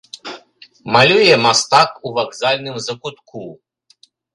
Малюе мастак ў вакзальным закутку.